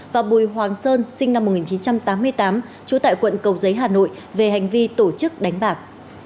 và bùi hoàng sơn sinh năm một nghìn chín trăm tám mươi tám trú tại quận cầu giấy hà nội về hành vi tổ chức đánh bạc